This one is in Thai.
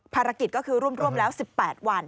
ภารกิจก็คือร่วมแล้ว๑๘วัน